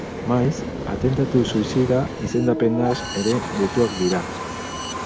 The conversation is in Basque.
Maiz, atentatu suizida izendapenaz ere deituak dira.